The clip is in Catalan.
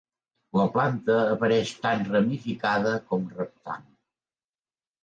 La planta apareix tant ramificada com reptant.